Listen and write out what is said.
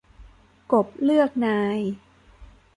กบเลือกนาย